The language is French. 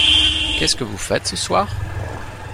Qu'est-ce que vous faites ce soir?